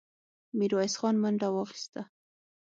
ميرويس خان منډه واخيسته.